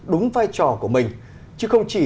đúng vai trò của mình chứ không chỉ